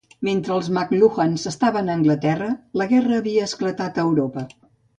Mentre els McLuhans estaven a Anglaterra, la guerra havia esclatat a Europa.